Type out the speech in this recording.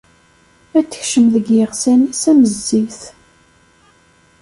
Ad tekcem deg yiɣsan-is am zzit.